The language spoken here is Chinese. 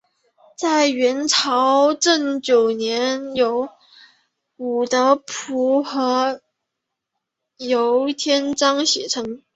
在元朝至正九年由严德甫和晏天章写成。